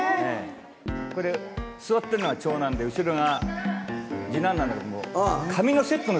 これ座ってるのが長男で後ろが二男なんだけれども。